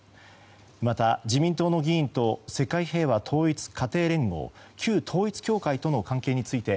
また自民党の議員と世界平和統一家庭連合旧統一教会との関係について